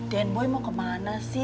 den boy mau kemana sih